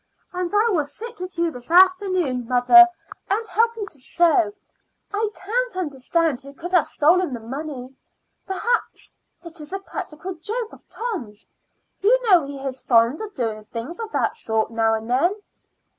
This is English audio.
And I will sit with you this afternoon, mother, and help you to sew. I can't understand who could have stolen the money. Perhaps it is a practical joke of Tom's; you know he is fond of doing things of that sort now and then."